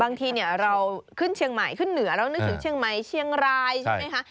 บางทีเนี่ยเราขึ้นเชียงใหม่ขึ้นเหนือเรานึกถึงเชียงใหม่เชียงรายใช่ไหมคะ